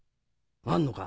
あんのか？